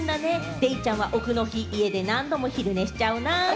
デイちゃんはオフの日、家で何度も昼寝しちゃうな。